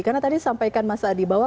karena tadi sampaikan masa di bawah